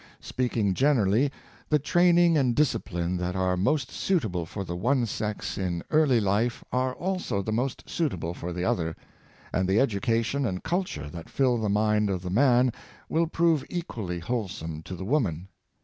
Speaking generally, the training and discipline that are most suitable for the one sex in early life are also the most suitable for the other; and the education and culture that fill the mind of the man will prove equally wholesome for the woman.